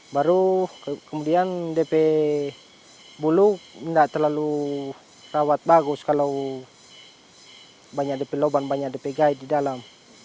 baru kemudian dp bulu nggak terlalu rawat bagus kalau banyak dp lubang banyak dp gait di dalam